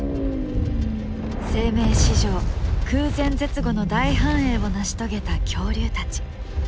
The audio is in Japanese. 生命史上空前絶後の大繁栄を成し遂げた恐竜たち。